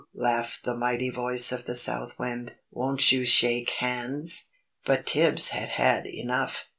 '" laughed the mighty voice of the South Wind. "Won't you shake hands?" But Tibbs had had enough.